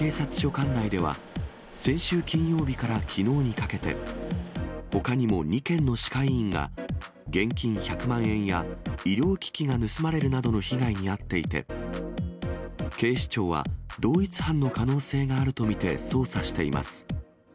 管内では、先週金曜日からきのうにかけて、ほかにも２軒の歯科医院が現金１００万円や医療機器が盗まれるなどの被害に遭っていて、警視庁は同一犯の可能性があると見て捜査しています。